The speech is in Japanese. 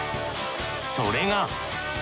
それが！